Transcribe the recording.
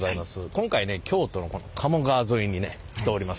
今回ね京都のこの鴨川沿いにね来ておりますけども。